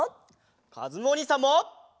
かずむおにいさんも！